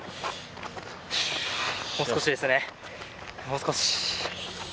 もう少しですね、もう少し。